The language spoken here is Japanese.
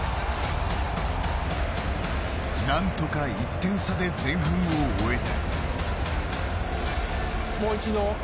何とか１点差で前半を終えて。